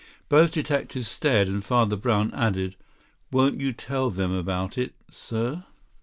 Both detectives stared, and Father Brown added: "Won't you tell them about it, sir?"